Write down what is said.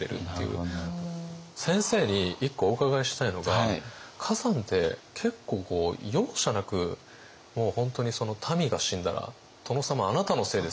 先生に１個お伺いしたいのが崋山って結構容赦なく本当に「民が死んだら殿様あなたのせいですよ」